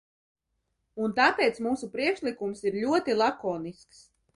Un tāpēc mūsu priekšlikums ir ļoti lakonisks.